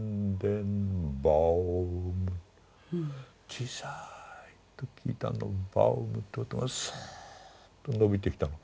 小さい時聞いたあのバウムって音がスーッと伸びてきたの。